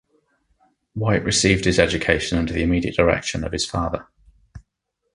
White received his education under the immediate direction of his father.